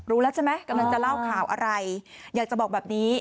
รู้แล้วใช่ไหมกำลังจะเล่าข่าวอะไรอยากจะบอกแบบนี้